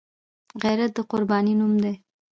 غیرت د قربانۍ نوم دی